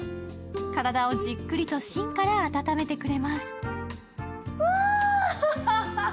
体をじっくりと芯から温めてくれます。